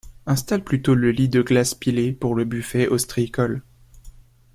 Installe plutôt le lit de glace pilée, pour le buffet ostréicole.